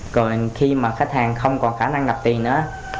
còn khi mà khách hàng không còn khả năng nạp tiền nữa